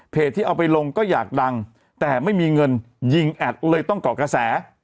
ที่เอาไปลงก็อยากดังแต่ไม่มีเงินยิงแอดเลยต้องเกาะกระแส